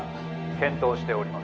検討しております。